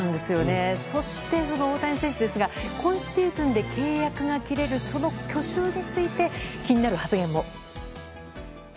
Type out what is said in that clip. そして、大谷選手ですが今シーズンで契約が切れるその去就について気になる発言も。